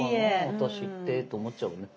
私ってと思っちゃうね。